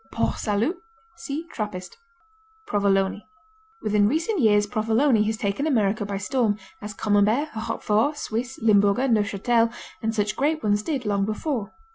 Port Salut (See Trappist) Provolone Within recent years Provolone has taken America by storm, as Camembert, Roquefort, Swiss, Limburger, Neufchâtel and such great ones did long before.